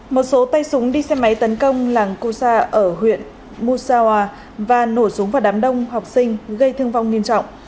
một số tay súng đi xe máy tấn công làng kusa ở huyện musawa và nổ súng vào đám đông học sinh gây thương vong nghiêm trọng